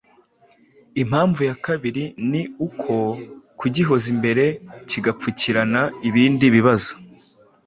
Impamvu ya kabiri ni uko kugihoza imbere kigapfukirana ibindi bibazo,